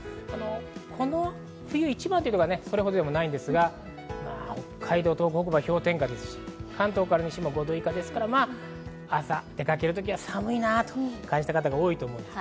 この冬一番というのがそれほどでもないんですが、北海道、東北、氷点下ですし、関東から西も５度以下ですから、朝、出かけるときは寒いなと感じた方、多いと思います。